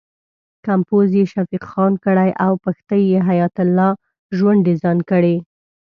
کمپوز یې شفیق خان کړی او پښتۍ یې حیات الله ژوند ډیزاین کړې.